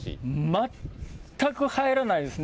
全く入らないですね。